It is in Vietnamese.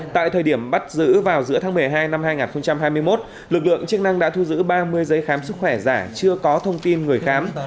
tại thời điểm bắt giữ vào giữa tháng một mươi hai năm hai nghìn hai mươi một lực lượng chức năng đã thu giữ ba mươi giấy khám sức khỏe giả chưa có thông tin người khám